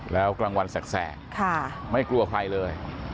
แล้วกลางวันแสกไม่กลัวใครเลย